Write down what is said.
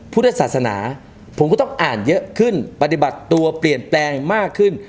พุทธศาสนาผมก็ต้องอ่านเยอะขึ้นปฏิบัติตัวเปลี่ยนแปลงมากขึ้น